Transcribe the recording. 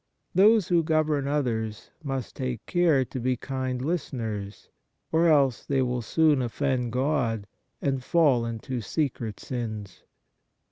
Those who govern others must take care to be kind listeners, or else they will soon offend God and fall into secret sins.